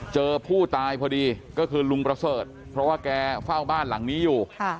เจอผู้ตายพอดีก็คือลุงประเสริฐเพราะว่าแกเฝ้าบ้านหลังนี้อยู่